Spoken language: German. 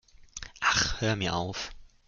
Ach, hör mir auf!